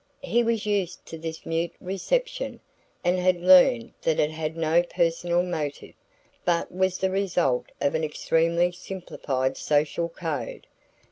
He was used to this mute reception, and had learned that it had no personal motive, but was the result of an extremely simplified social code.